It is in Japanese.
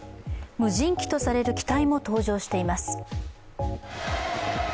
無人機とされる機体も登場しています。